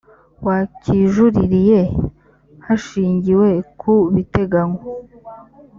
wakijuririye hashingiwe ku biteganywa